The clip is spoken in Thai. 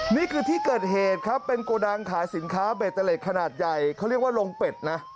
นี่คือที่เกิดเหตุเป็นโกดังขายสินค้าเขาเรียกว่าลงเป็ด